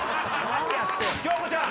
京子ちゃん！